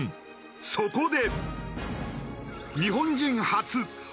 そこで。